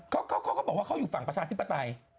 เขาก็บอกว่าเขาอยู่ฝั่งประชาธิปไตย